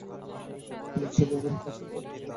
তখন মারওয়ান সে ব্যাপারে তার সাথে কথা বলতে কিছু লোক পাঠালেন।